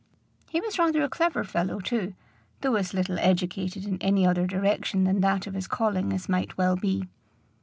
He was rather a clever fellow too, though as little educated in any other direction than that of his calling as might well be.